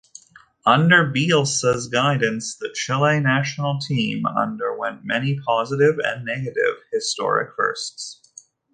Under Bielsa's guidance, the Chile national team underwent many positive and negative historic firsts.